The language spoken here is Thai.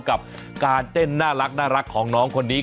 กับการเต้นน่ารักของน้องคนนี้